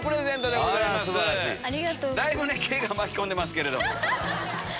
だいぶ毛巻き込んでますけど。